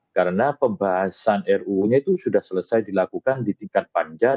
karena pembahasan ruu nya itu sudah selesai dilakukan di tingkat panjang